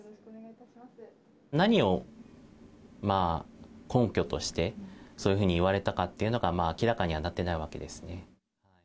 何を根拠として、そういうふうに言われたかっていうのが明らかにはなっていないわけですね。